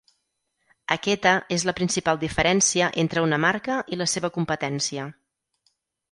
Aquesta és la principal diferència entre una marca i la seva competència.